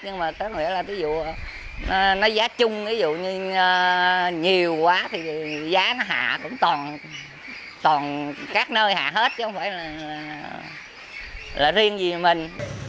nhưng mà nói chung là nhiều quá thì giá nó hạ cũng toàn các nơi hạ hết chứ không phải là riêng vì mình